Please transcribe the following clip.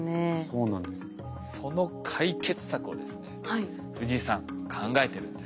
その解決策をですね藤井さん考えてるんです。